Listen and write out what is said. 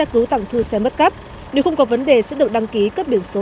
cứu tặng thư xe mất cấp nếu không có vấn đề sẽ được đăng ký cấp biển số